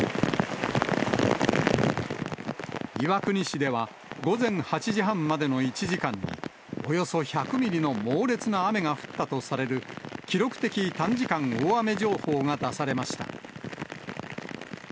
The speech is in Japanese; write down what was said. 岩国市では、午前８時半までの１時間に、およそ１００ミリの猛烈な雨が降ったとされる記録的短時間大雨情報が出されました。